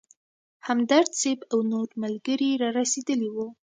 همدرد صیب او نور ملګري رارسېدلي وو.